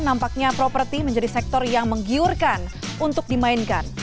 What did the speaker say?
nampaknya properti menjadi sektor yang menggiurkan untuk dimainkan